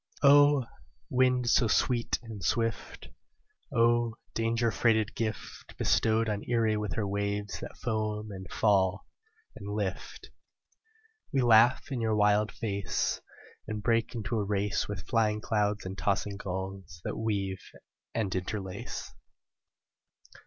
O! wind so sweet and swift, O! danger freighted gift Bestowed on Erie with her waves that foam and fall and lift, We laugh in your wild face, And break into a race With flying clouds and tossing gulls that weave and interlace.